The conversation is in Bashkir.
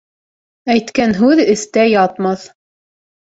Әйткән һүҙ эстә ятмаҫ.